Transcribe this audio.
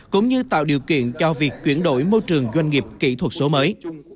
cũng như tạo điều kiện cho việc chuyển đổi môi trường doanh nghiệp kỹ thuật số mới